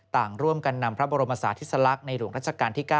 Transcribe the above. ต่างร่วมกันนำพระบรมศาสติสลักษณ์ในหลวงรัชกาลที่๙